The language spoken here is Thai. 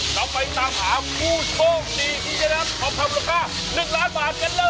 เราไปตามหาผู้โชคดีที่จะรับขอบคำราคาหนึ่งล้านบาทกันเลย